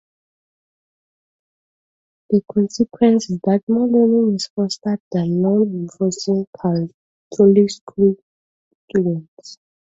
The consequence is that more learning is fostered than norm-enforcing Catholic school students.